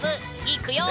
いくよ。